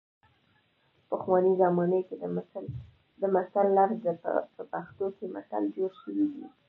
پخوانۍ زمانه کې د مثل لفظ نه په پښتو کې متل جوړ شوی دی